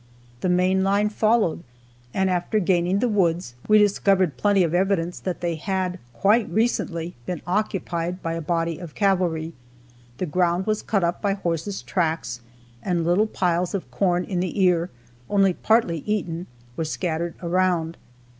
The main line followed, and after gaining the woods, we discovered plenty of evidence that they had quite recently been occupied by a body of cavalry. The ground was cut up by horses' tracks, and little piles of corn in the ear, only partly eaten, were scattered around.